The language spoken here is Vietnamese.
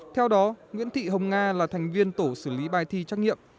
theo đó nguyễn thị hồng nga là thành viên tổ xử lý bài thi trắc nghiệm